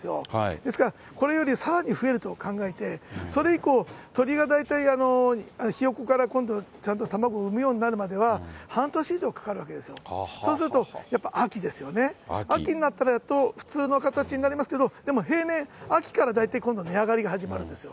ですから、これよりさらに増えると考えて、それ以降、鶏が大体ひよこから、今度、ちゃんと卵を産むようになるまでは、半年以上かかるわけですよ。そうすると、やっぱ秋ですよね。秋になったらやっと普通の形になりますけど、でも平年、秋から大体、今度値上がりが始まるんですよ。